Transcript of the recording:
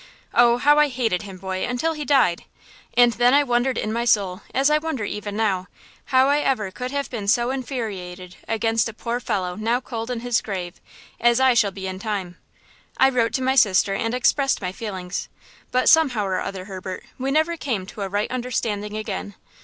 Oh, how I hated him, boy, until he died! And then I wondered in my soul, as I wonder even now, how I ever could have been so infuriated against a poor fellow now cold in his grave, as I shall be in time. I wrote to my sister and expressed my feelings; but, somehow or other, Herbert, we never came to a right understanding again.